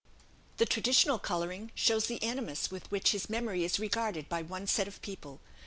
The traditional colouring shows the animus with which his memory is regarded by one set of people.